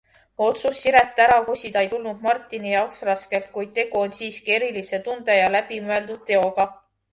Otsus Siret ära kosida ei tulnud Martini jaoks raskelt, kuid tegu on siiski erilise tunde ja läbimõeldud teoga.